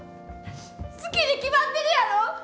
好きに決まってるやろ！